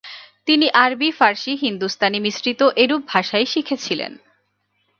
তিনি আরবি-ফারসি-হিন্দুস্থানি মিশ্রিত এরূপ ভাষাই শিখেছিলেন।